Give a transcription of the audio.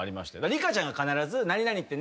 リカちゃんが必ず「何々って何？」